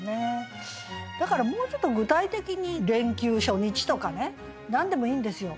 だからもうちょっと具体的に「連休初日」とかね何でもいいんですよ。